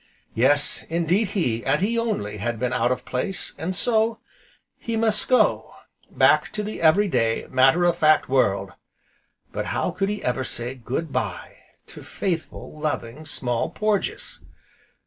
Yes, indeed he, and he only, had been out of place, and so he must go back to the every day, matter of fact world, but how could he ever say "Good bye" to faithful, loving Small Porges?